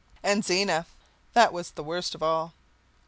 And Zena! That was the worst of all.